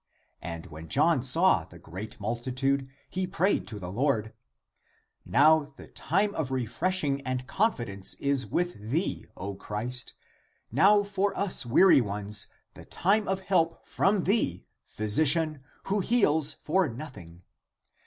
And when John saw the great multitude, he prayed to the Lord :" Now the time of refreshing and confidence is with thee, O Christ, now for us weary ones the time of help from Thee, physician, who heals for nothing.